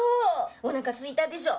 おなかすいたでしょ。